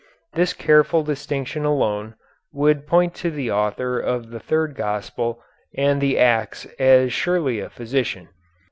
This careful distinction alone would point to the author of the third gospel and the Acts as surely a physician.